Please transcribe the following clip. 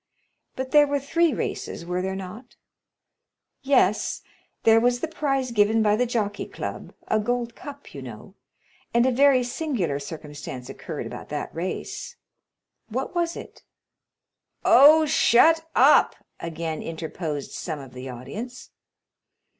"But there were three races, were there not?" "Yes; there was the prize given by the Jockey Club—a gold cup, you know—and a very singular circumstance occurred about that race." "What was it?" "Oh, shut up!" again interposed some of the audience.